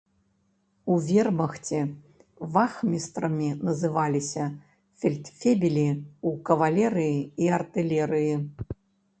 У вермахце вахмістрамі называліся фельдфебелі ў кавалерыі і артылерыі.